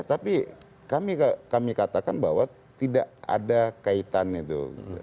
tapi kami katakan bahwa tidak ada kaitan itu